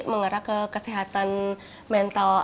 mengarah ke kesehatan mental